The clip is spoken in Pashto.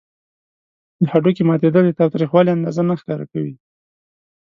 د هډوکي ماتیدل د تاوتریخوالي اندازه نه ښکاره کوي.